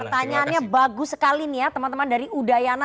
pertanyaannya bagus sekali nih ya teman teman dari udayana